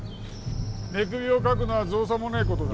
寝首をかくのは造作もねえことだ。